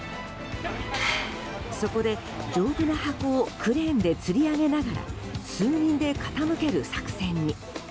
そこで、丈夫な箱をクレーンでつり上げながら数人で傾ける作戦に。